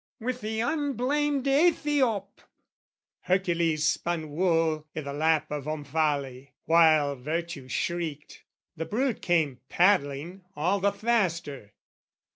With the unblamed Aethiop, Hercules spun wool I' the lap of Omphale, while Virtue shrieked The brute came paddling all the faster.